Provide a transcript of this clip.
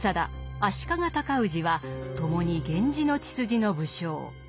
足利高氏は共に源氏の血筋の武将。